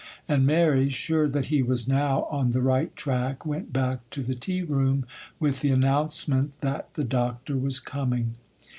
And Mary, sure that he was now on the right track, went back to the tea room with the announcement that the Doctor was coming.